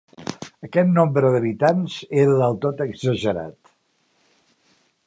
Aquest nombre d'habitants era del tot exagerat.